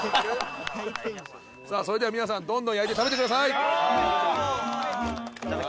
さあそれでは皆さんどんどん焼いて食べてください。